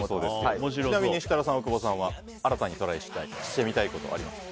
ちなみに設楽さん、大久保さんは新たにトライしてみたいことはありますか？